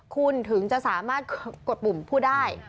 คุณถึงจะสามารถกดปุ่มพูดได้